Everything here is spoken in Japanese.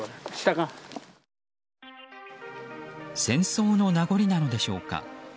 戦争の名残なのでしょうか。